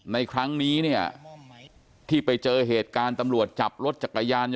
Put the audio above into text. ในครั้งนี้เนี่ยที่ไปเจอเหตุการณ์ตำรวจจับรถจักรยานยน